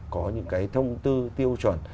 có những cái thông tư tiêu chuẩn